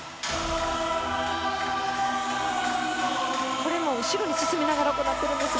これも、後ろに進みながら行ってるんですよ。